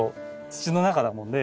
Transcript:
土の中だもんで。